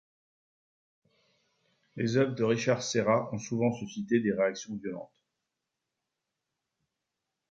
Les œuvres de Richard Serra ont souvent suscité des réactions violentes.